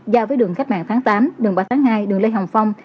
giao với đường khách mạng tháng tám đường ba tháng hai đường lê hồng phong